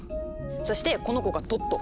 そしてこの子がトット！